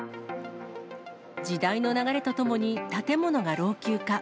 時代の流れとともに建物が老朽化。